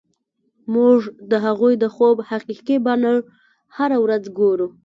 موږ د هغوی د خوب حقیقي بڼه هره ورځ ګورو